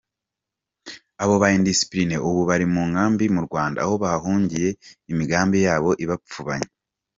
Abo ba indisciplinés ubu bari mu nkambi mu Rwanda aho bahungiye imigambi yabo ibapfubanye.